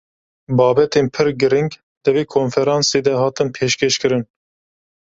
Babetên pir giring di wê konferansê de hatin pêşkêşkirin.